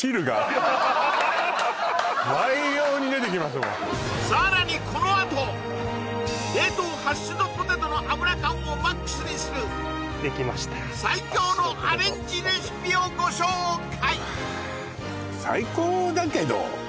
もうもうさらに冷凍ハッシュドポテトの油感をマックスにするできました最強のアレンジレシピをご紹介